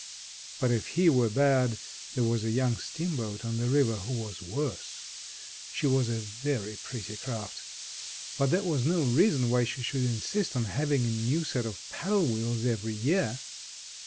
But if he were bad there was a young steamboat on the river who was worse. She was a very pretty craft, but that was no reason why she should insist on having a new set of paddle wheels every year.